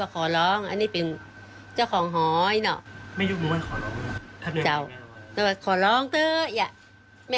ขอร้องอันนี้เป็นเจ้าของหอยเนาะ